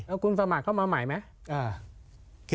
เอาคุณสมัครเข้ามาใหม่ไหม